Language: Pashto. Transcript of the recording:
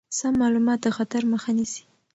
سم معلومات د خطر مخه نیسي.